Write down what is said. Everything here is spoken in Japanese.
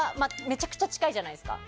めちゃくちゃ近いじゃないですか。